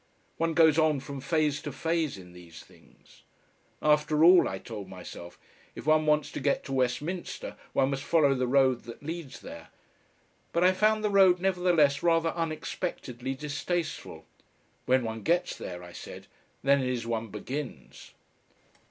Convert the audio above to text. One goes on from phase to phase in these things. "After all," I told myself, "if one wants to get to Westminster one must follow the road that leads there," but I found the road nevertheless rather unexpectedly distasteful. "When one gets there," I said, "then it is one begins."